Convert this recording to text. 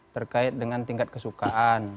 terkait dengan tingkat kesukaan